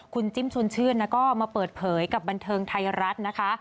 คุณจิ้มชวนชื่นนะก็มาเปิดเผยกับบันเทิงไทยรัฐนะคะ